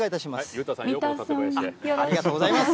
裕太さん、ありがとうございます。